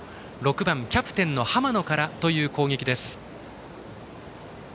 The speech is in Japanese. ６番キャプテンの濱野からという攻撃です。